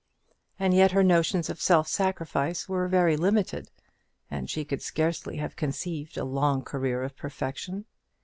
As yet her notions of self sacrifice were very limited; and she could scarcely have conceived a long career of perfection.